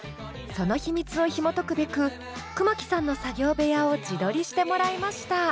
その秘密をひもとくべく熊木さんの作業部屋を自撮りしてもらいました。